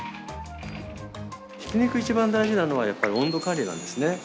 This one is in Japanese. ひき肉一番大事なのはやっぱり温度管理なんですね。